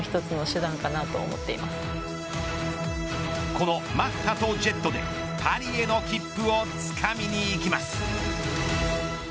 このマッハとジェットでパリへの切符をつかみにいきます。